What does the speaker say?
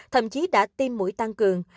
thậm chí đã tiêm mũi tăng cường